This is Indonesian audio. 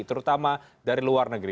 terutama dari luar negeri